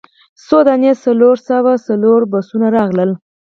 څو دانې څلور سوه څلور بسونه راغلل.